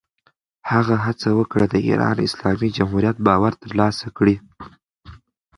هغه هڅه وکړه، د ایران اسلامي جمهوریت باور ترلاسه کړي.